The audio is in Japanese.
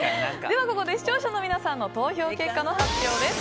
では、ここで視聴者の皆さんの投票結果の発表です。